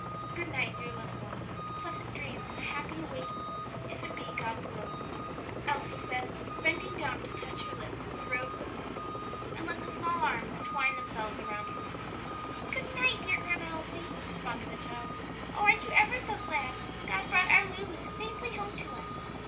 "Good night, dear little one; pleasant dreams and a happy awaking, if it be God's will," Elsie said, bending down to touch her lips to the rosebud mouth and let the small arms twine themselves around her neck. "Good night, dear Grandma Elsie," responded the child. "Oh, aren't you ever so glad God brought our Lulu safely home to us?"